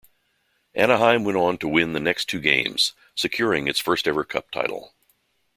Anaheim went on to win the next two games, securing its first-ever Cup title.